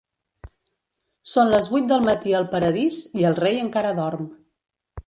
Són les vuit del matí al paradís i el rei encara dorm.